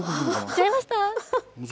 行っちゃいました。